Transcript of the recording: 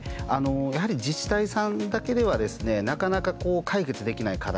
やはり自治体さんだけではですねなかなか解決できない課題